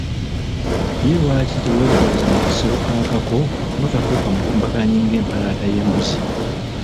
Ye lwaki teweeroboleza mu kasero akako n'otafuuka mulumbanganyi ng'empalaata y'embuzi?